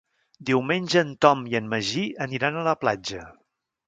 Diumenge en Tom i en Magí aniran a la platja.